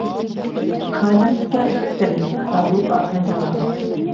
خالق کہہ کرے، فاروق آخنے لاغا